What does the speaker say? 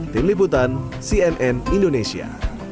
tim liputan cnn indonesia